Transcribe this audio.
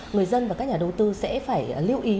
người dân và các nhà đầu tư sẽ phải lưu ý